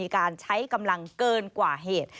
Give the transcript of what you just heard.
การใช้กำลังเกินกว่าเหตุ